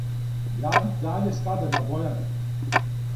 Гради краље Скадар на Бојани,